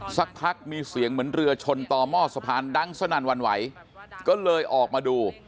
สักพักมีเสียงเหมือนเรือชนต่อหม้อสะพานดังสนั่นวันไหวก็เลยออกมาดู